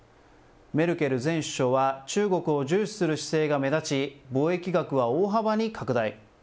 メルケル前首相は中国を重視する姿勢が目立ち、貿易額は大幅に拡大。